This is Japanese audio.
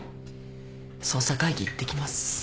捜査会議行ってきます。